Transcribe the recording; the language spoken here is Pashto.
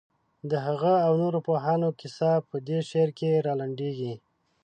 د هغه او نورو پوهانو کیسه په دې شعر کې رالنډېږي.